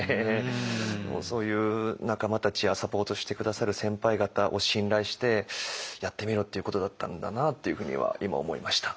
そういう仲間たちやサポートして下さる先輩方を信頼してやってみろっていうことだったんだなっていうふうには今思いました。